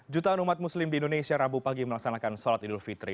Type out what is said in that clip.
jutaan umat muslim di indonesia rabu pagi melaksanakan sholat idul fitri